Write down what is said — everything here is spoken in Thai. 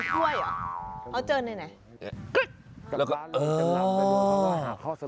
เขาเจอในไหน๙๙